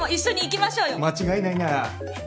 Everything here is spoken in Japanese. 間違いないな！